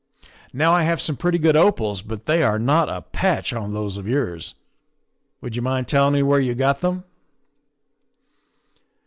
Now I have some pretty good opals, but they are not a patch on those of yours. Would you mind telling me where you got them?"